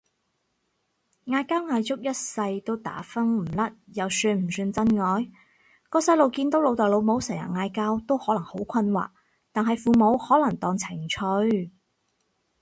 嗌交嗌足一世都打風唔甩又算唔算真愛？個細路見到老豆老母成日嗌交都可能好困擾，但係父母可能當情趣